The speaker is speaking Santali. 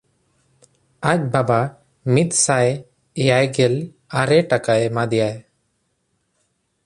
ᱟᱡ ᱵᱟᱵᱟ ᱢᱤᱫᱥᱟᱭ ᱮᱭᱟᱭᱜᱮᱞ ᱟᱨᱮ ᱴᱟᱠᱟ ᱮᱢᱟ ᱫᱮᱭᱟᱭ᱾